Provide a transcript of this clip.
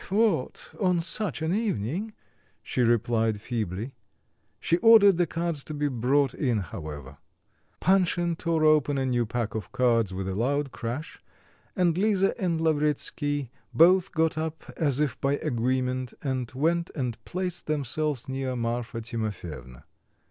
"What! on such an evening?" she replied feebly. She ordered the cards to be brought in, however. Panshin tore open a new pack of cards with a loud crash, and Lisa and Lavretsky both got up as if by agreement, and went and placed themselves near Marfa Timofyevna.